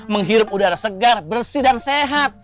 menghirup udara segar bersih dan sehat